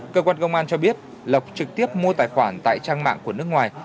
cơ quan công an cho biết lộc trực tiếp mua tài khoản tại trang mạng của nước ngoài